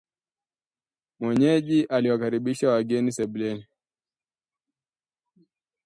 Mwenyeji aliwakaribisha wageni sebuleni